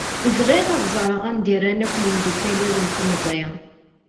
Bɣiɣ ad ẓṛeɣ anda i rran akk yemdukal-iw n temẓi.